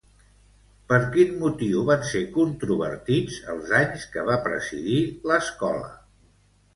Per quin motiu van ser controvertits els anys que va presidir l'Escola?